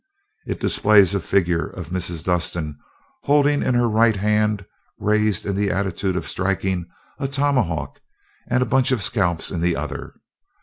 It displays a figure of Mrs. Dustin, holding in her right hand, raised in the attitude of striking, a tomahawk, and a bunch of scalps in the other.